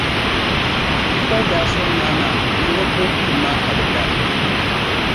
Pukpari daa suhi Naa maa ni o booi kulim maa ka be da.